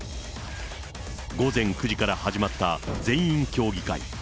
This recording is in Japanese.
午前９時から始まった、全員協議会。